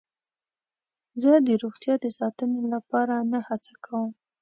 زه د روغتیا د ساتنې لپاره نه هڅه کوم.